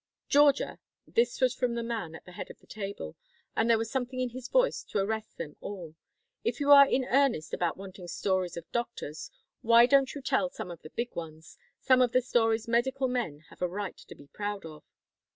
'" "Georgia," this was from the man at the head of the table, and there was something in his voice to arrest them all "if you are in earnest about wanting stories of doctors, why don't you tell some of the big ones? Some of the stories medical men have a right to be proud of?"